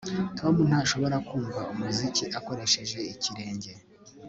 Tom ntashobora kumva umuziki adakoresheje ikirenge